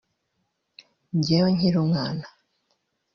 Jyewe nkiri umwana